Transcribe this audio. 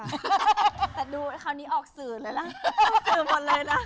แต่ดูคราวนี้ออกสื่อเลยล่ะ